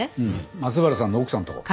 松原さんの奥さんのとこ。